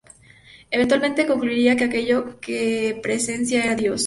Eventualmente concluiría que aquello que presencia era Dios.